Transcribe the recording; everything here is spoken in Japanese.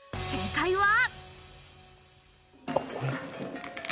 正解は。